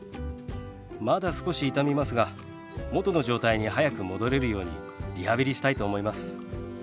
まだ少し痛みますが元の状態に早く戻れるようにリハビリしたいと思います。